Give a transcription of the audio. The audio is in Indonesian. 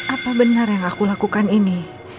apa benar yang aku lakukan ini